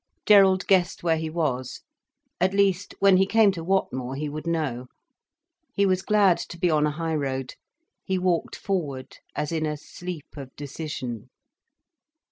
Gerald guessed where he was. At least, when he came to Whatmore, he would know. He was glad to be on a high road. He walked forward as in a sleep of decision.